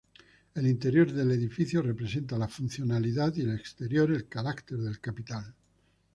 El interior del edificio representa la funcionalidad y el exterior el carácter del capital.